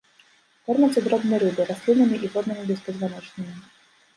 Кормяцца дробнай рыбай, раслінамі і воднымі беспазваночнымі.